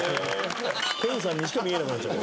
謙さんにしか見えなくなっちゃう。